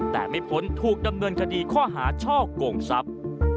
แต่ไม่พ้นถูกดำเนินคดีข้อหาช่อกงทรัพย์